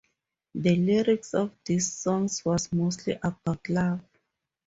The lyrics of these songs was mostly about love.